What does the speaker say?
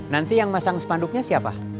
nanti yang masang spanduknya siapa